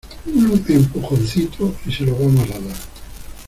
un empujoncito, y se lo vamos a dar.